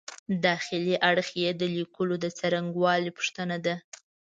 داخلي اړخ یې د لیکلو د څرنګوالي پوښتنه ده.